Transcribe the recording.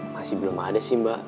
masih belum ada sih mbak